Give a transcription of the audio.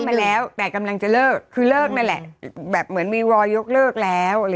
มาแล้วแต่กำลังจะเลิกคือเลิกนั่นแหละแบบเหมือนมีวอลยกเลิกแล้ว